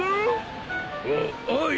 おおい！